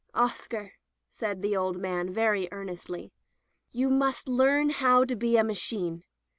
"Oscar," said the old man very earnestly, "you must learn now how to be a machine.